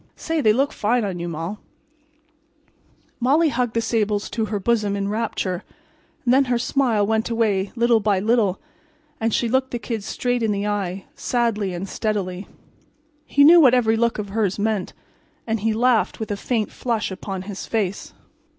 Say, they look fine on you, Moll." Molly hugged the sables to her bosom in rapture. And then her smile went away little by little, and she looked the Kid straight in the eye sadly and steadily. He knew what every look of hers meant; and he laughed with a faint flush upon his face.